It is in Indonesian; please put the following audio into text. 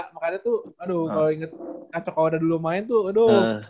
makanya tuh aduh kalo inget kak cokowada dulu main tuh aduh